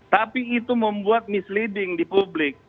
tapi itu membuat misleading di publik